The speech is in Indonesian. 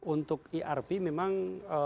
untuk irp memang